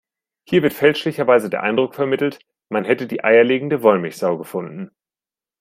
Hier wird fälschlicherweise der Eindruck vermittelt, man hätte die eierlegende Wollmilchsau gefunden.